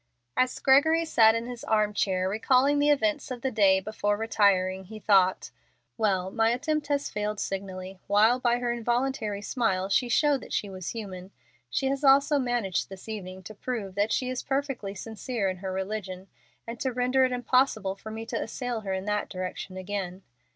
As Gregory sat in his arm chair recalling the events of the day before retiring, he thought: "Well, my attempt has failed signally. While by her involuntary smile she showed that she was human, she has also managed this evening to prove that she is perfectly sincere in her religion, and to render it impossible for me to assail her in that direction again.